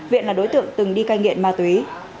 viện là đối tượng từng đi cai nghiện ma túy